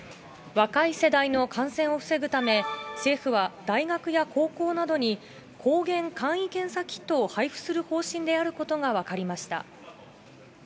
若い世代の感染を防ぐため、政府は大学や高校などに抗原簡易検査キットを配布する方針であることが分かりました。